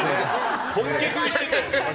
本気食いしてたよね。